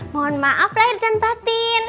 mohon maaf lahir dan batin